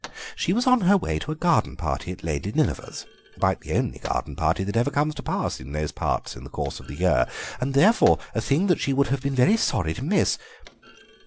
She was on her way to a garden party at Lady Nineveh's, about the only garden party that ever comes to pass in those parts in the course of the year, and therefore a thing that she would have been very sorry to miss.